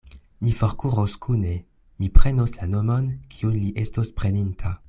Ni forkuros kune: mi prenos la nomon, kiun li estos preninta.